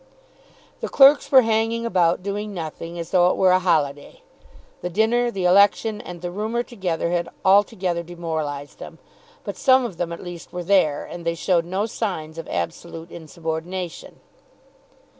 The clerks were hanging about doing nothing, as though it were a holiday. The dinner, the election, and the rumour together had altogether demoralized them. But some of them at least were there, and they showed no signs of absolute insubordination.